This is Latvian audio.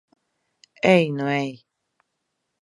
Ej nu ej!